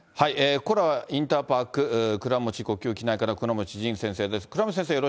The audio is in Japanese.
ここからは、インターパーク倉持呼吸器内科の倉持仁先生です。